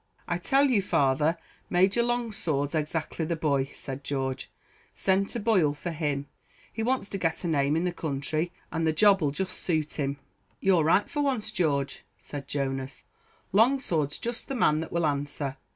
"I tell you, father Major Longsword's exactly the boy," said George; "send to Boyle for him; he wants to get a name in the country, and the job'll just suit him." "You're right for once, George," said Jonas, "Longsword's just the man that will answer."